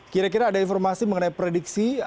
kira kira ada informasi mengenai prediksi